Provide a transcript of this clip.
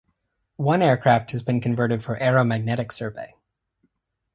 One aircraft has been converted for aeromagnetic survey.